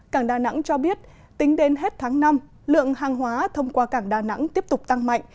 cảng đà nẵng cho biết tính đến hết tháng năm lượng hàng hóa thông qua cảng đà nẵng tiếp tục tăng mạnh